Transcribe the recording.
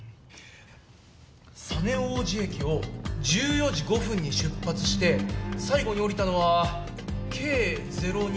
実大路駅を１４時５分に出発して最後に降りたのはＫ０２。